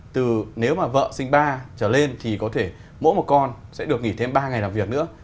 từ nếu mà vợ sinh ba trở lên thì có thể mỗi một con sẽ được nghỉ thêm ba ngày làm việc nữa